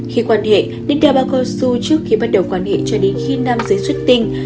khi quan hệ nên đeo bao cao su trước khi bắt đầu quan hệ cho đến khi nam giới xuất tình